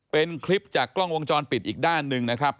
เป็นคลิปจากกล้องวงจรปิดอีกด้านหนึ่งนะครับ